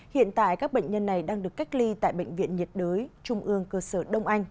hiện tại các bệnh nhân này đang được cách ly tại bệnh viện nhiệt đới trung ương cơ sở đông anh